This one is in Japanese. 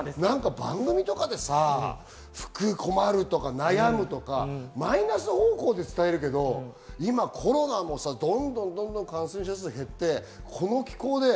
番組とかで服困るとか悩むとかマイナス方向で伝えるけど、コロナもどんどん感染者数が減って、この気候で。